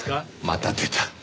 また出た。